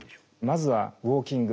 まずはウォーキング。